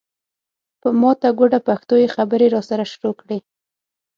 په ماته ګوډه پښتو یې خبرې راسره شروع کړې.